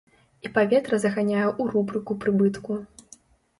І паветра заганяе ў рубрыку прыбытку.